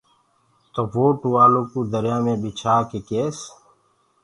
تو وو ٽوآل دريآ مي ٻِڇآ ڪي ڪيس۔